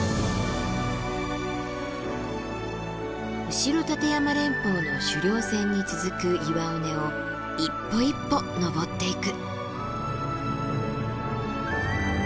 後立山連峰の主稜線に続く岩尾根を一歩一歩登っていく。